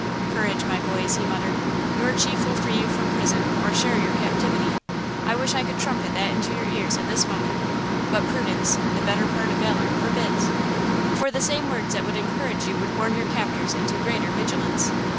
"Courage, my boys," he muttered. "Your chief will free you from prison or share your captivity! I wish I could trumpet that into your ears at this moment, but prudence, 'the better part of valor,' forbids! For the same words that would encourage you would warn your captors into greater vigilance."